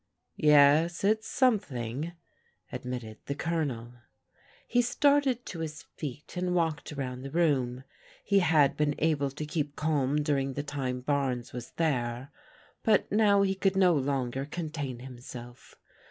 " Yes, it's something," admitted the Colonel. He started to his feet and walked around the room. He had been able to keep calm during the time Barnes was there, but now he could no longer contain himself.